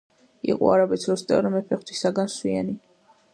იყო არაბეთს როსტევან მეფე ღვთისაგან სვიანი